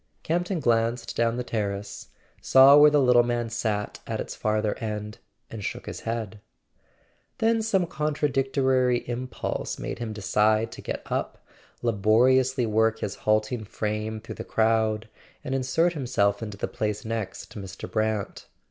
Campton glanced down the terrace, saw where the little man sat at its farther end, and shook his head. Then some contradic¬ tory impulse made him decide to get up, laboriously work his halting frame through the crowd, and insert himself into the place next to Mr. Brant.